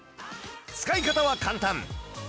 使い方は簡単！